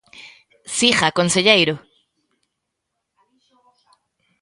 Siga, conselleiro.